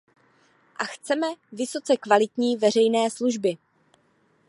A chceme vysoce kvalitní veřejné služby.